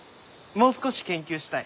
もう少し研究したい。